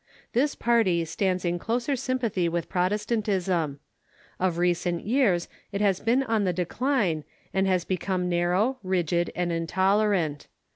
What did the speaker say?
This party stands in closer s^nnpathy Avith Protestantism. Of recent years it has been on the decline, and has become narrow, rigid, and intolerant.